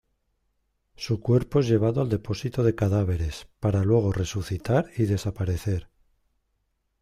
Su cuerpo es llevado al depósito de cadáveres, para luego resucitar y desaparecer.